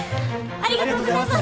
ありがとうございます！